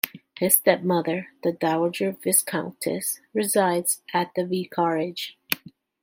His stepmother, the Dowager Viscountess, resides at the vicarage.